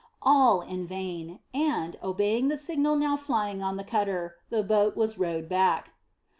All in vain, and, obeying the signal now flying on the cutter, the boat was rowed back.